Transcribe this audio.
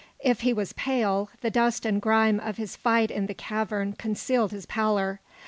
If he was pale, the dust and grime of his fight in the cavern concealed his pallor.